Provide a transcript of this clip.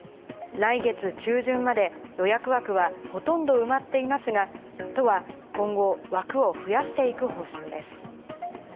来月中旬まで予約枠はほとんど埋まっていますが、都は今後、枠を増やしていく方針です。